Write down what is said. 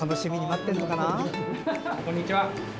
こんにちは。